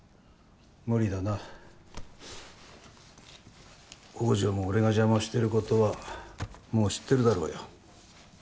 無理だな宝条も俺が邪魔をしてることはもう知ってるだろうよ